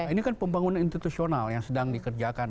ini kan pembangunan institusional yang sedang dikerjakan